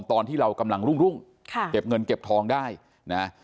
ตอนที่เรากำลังรุ่งค่ะเก็บเงินเก็บทองได้นะ